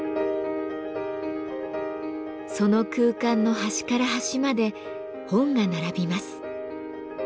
その空間の端から端まで本が並びます。